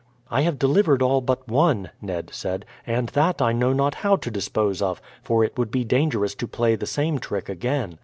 "I have delivered all but one," Ned said. "And that I know not how to dispose of, for it would be dangerous to play the same trick again.